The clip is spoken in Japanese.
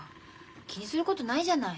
気にすることないじゃない。